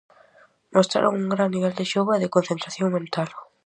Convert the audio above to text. Mostraron un gran nivel de xogo e de concentración mental.